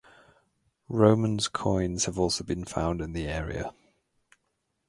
Romans coins have also been found in the area.